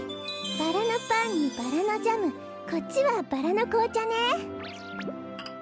バラのパンにバラのジャムこっちはバラのこうちゃね。